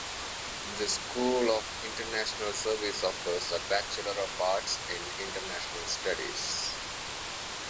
The School of International Service offers a Bachelor of Arts in International Studies.